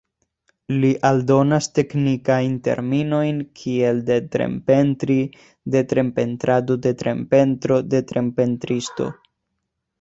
Li aldonas teknikajn terminojn kiel detrem-pentri, detrem-pentrado, detrem-pentro, detrem-pentristo.